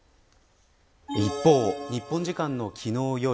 一方、日本時間の昨日夜。